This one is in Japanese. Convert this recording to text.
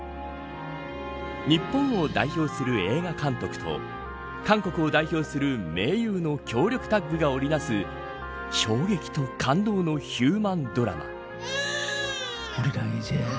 日本を代表する映画監督と韓国を代表する名優の強力タッグが織りなす衝撃と感動のヒューマンドラマ。